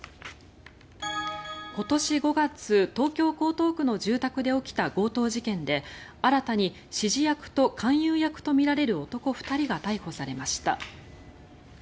今年５月、東京・江東区の住宅で起きた強盗事件で新たに指示役と勧誘役とみられる男２人が逮捕されました。